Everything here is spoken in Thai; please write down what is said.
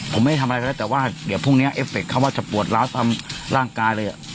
ไปทำแรกแล้วแต่ว่าเดี๋ยวพรุ่งนี้วิฟังเท่าสมัครปวดล้อมร่างกายเลยผม